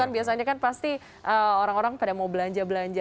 biasanya kan pasti orang orang pada mau belanja belanja